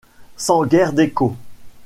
Sans guère d'écho...